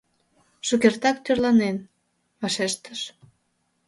«Шукертак тӧрланен, — вашештыш.